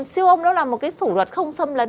siêu ông đó là một cái phủ luật không xâm lấn